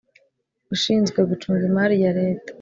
ushinzwe Gucunga Imari ya Leta